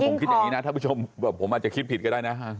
ผมคิดอย่างนี้นะท่านผู้ชมแบบผมอาจจะคิดผิดก็ได้นะ